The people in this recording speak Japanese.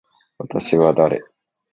私は誰。